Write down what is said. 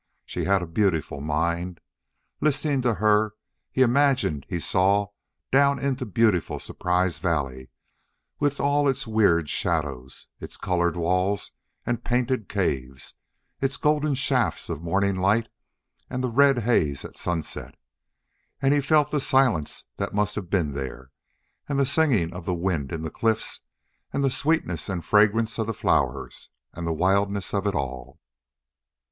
She had a beautiful mind. Listening to her, he imagined he saw down into beautiful Surprise Valley with all its weird shadows, its colored walls and painted caves, its golden shafts of morning light and the red haze at sunset; and he felt the silence that must have been there, and the singing of the wind in the cliffs, and the sweetness and fragrance of the flowers, and the wildness of it all.